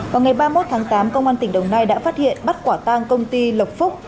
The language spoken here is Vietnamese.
vào ngày ba mươi một tháng tám công an tỉnh đồng nai đã phát hiện bắt quả tang công ty lộc phúc